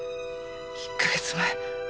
１カ月前。